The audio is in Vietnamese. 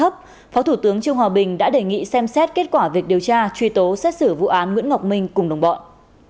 phó thủ tướng trương hòa bình đã đề nghị xem xét kết quả việc điều tra truy tố xét xử vụ án nguyễn ngọc minh cùng đồng bọn